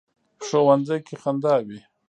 ښوونځی کې خندا وي